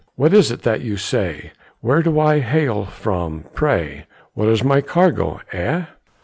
"What is it that you say, Where do I hail from pray, What is my cargo, eh?